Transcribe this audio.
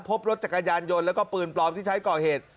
พบรถจักรยานยนต์แล้วก็ปืนปลอมที่ใช้ก่อเหตุ